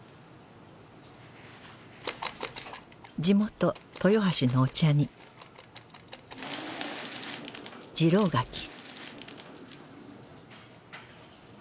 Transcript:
地元豊橋のお茶に次郎柿